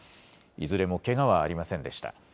いずれもけがはありませんでした。